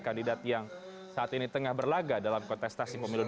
kandidat yang saat ini tengah berlaga dalam kontestasi pemilu dua ribu sembilan